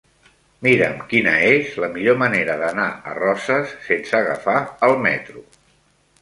Mira'm quina és la millor manera d'anar a Roses sense agafar el metro.